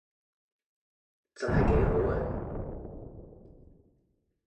真係幾好啊